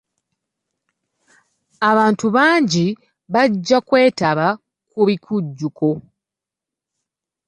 Abantu bangi bajja kwetaba ku bikujjuko.